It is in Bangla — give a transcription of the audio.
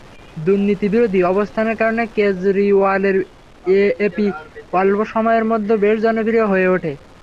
দুর্নীতিবিরোধী অবস্থানের কারণে কেজরিওয়ালের এএপি অল্প সময়ের মধ্যে বেশ জনপ্রিয় হয়ে ওঠে।